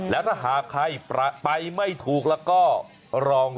แล้วถ้าหากใครไปไม่ถูกแล้วก็รอง